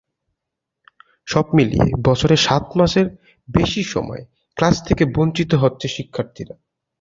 সব মিলিয়ে বছরে সাত মাসের বেশি সময় ক্লাস থেকে বঞ্চিত হচ্ছে শিক্ষার্থীরা।